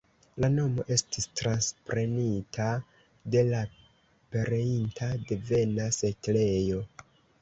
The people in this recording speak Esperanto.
La nomo estis transprenita de la pereinta devena setlejo.